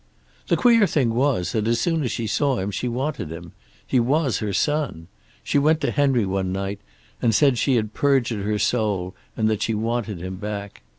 "The queer thing was that as soon as she saw him she wanted him. He was her son. She went to Henry one night, and said she had perjured her soul, and that she wanted him back.